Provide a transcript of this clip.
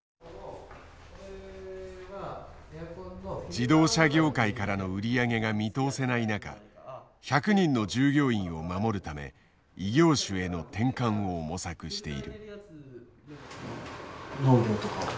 自動車業界からの売り上げが見通せない中１００人の従業員を守るため異業種への転換を模索している。